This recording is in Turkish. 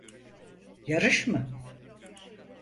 Yarış mı?